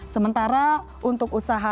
sementara untuk usaha